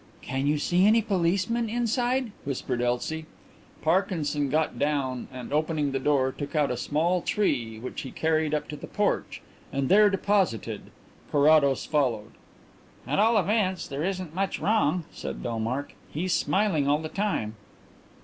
"Can you see any policemen inside?" whispered Elsie. Parkinson got down and opening the door took out a small tree which he carried up to the porch and there deposited. Carrados followed. "At all events there isn't much wrong," said Bellmark. "He's smiling all the time."